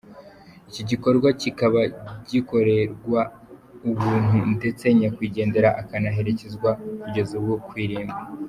Iki gikorwa kikaba gikorerwa ubuntu, ndetse nyakwigendera akanaherekezwa kugeza ku irimbi.